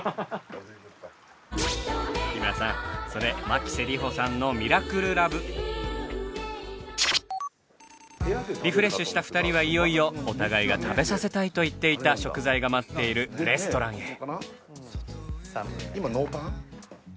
日村さんリフレッシュした２人はいよいよお互いが食べさせたいと言っていた食材が待っているレストランへ。